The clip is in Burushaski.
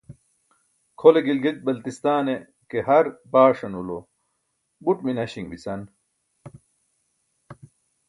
kʰole gilgit-baltistan e ke har baaṣan ulo buṭ minaśin bica